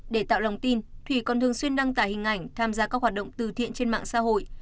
để tạo lòng tin thủy còn thường xuyên đăng tải hình ảnh tham gia các hoạt động từ thiện trên mạng xã hội